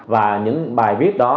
và những bài viết đó